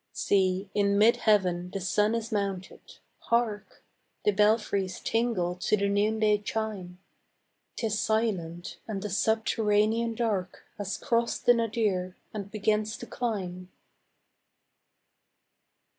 See, in mid heaven the sun is mounted; hark, The belfries tingle to the noonday chime. 'Tis silent, and the subterranean dark Has crossed the nadir, and begins to climb.